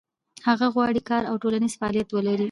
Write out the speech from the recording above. هغه غواړي کار او ټولنیز فعالیت ولري.